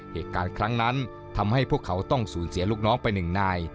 เหตุการณ์ครั้งนั้นทำให้พวกเขาต้องสูญเสียลูกน้องไปหนึ่งนาย